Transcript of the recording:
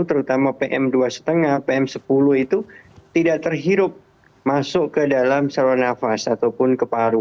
terutama pm dua lima pm sepuluh itu tidak terhirup masuk ke dalam saluran nafas ataupun ke paru